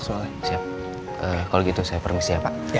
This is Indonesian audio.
kalau gitu saya permisi ya pak